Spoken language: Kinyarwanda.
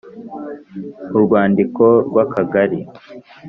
Urwandiko rw Akagari